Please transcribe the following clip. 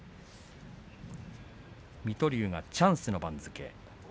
水戸龍がチャンスの番付。